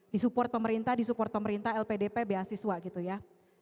disupport pemerintah disupport pemerintah lpdp beasiswa gitu ya